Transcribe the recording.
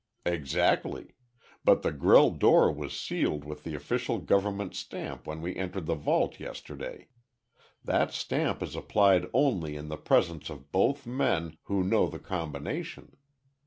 "Exactly but the grille door was sealed with the official governmental stamp when we entered the vault yesterday. That stamp is applied only in the presence of both men who know the combination.